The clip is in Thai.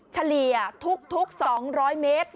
เฉลี่ยทุก๒๐๐เมตร